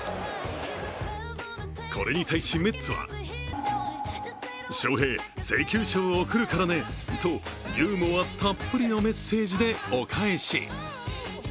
これに対し、メッツはショーヘイ、請求書送るからねとユーモアたっぷりのメッセージでお返し。